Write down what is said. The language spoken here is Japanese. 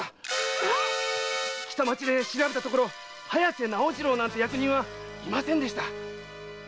北町で調べたところ早瀬なんて役人はいませんでした！